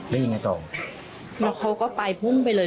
แล้วเขาก็ไปพุ่มไปเลย